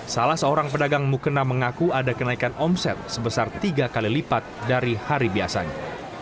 salah seorang pedagang mukena mengaku ada kenaikan omset sebesar tiga kali lipat dari hari biasanya